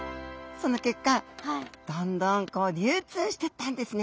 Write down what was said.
その結果どんどんこう流通してったんですね。